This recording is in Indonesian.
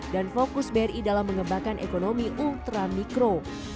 dan fokus bri dalam mengembangkan ekonomi ultramikro